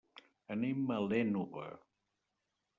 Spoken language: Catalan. Anem a l'Ènova.